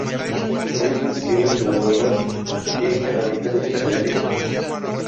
Y no es compatible con la barras de herramientas de Internet Explorer.